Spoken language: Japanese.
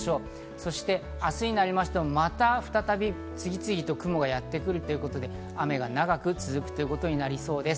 そして明日になりましても、また再び次々と雲がやってくるということで、雨が長く続くということになりそうです。